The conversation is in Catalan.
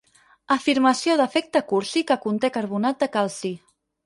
Afirmació d'afecte cursi que conté carbonat de calci.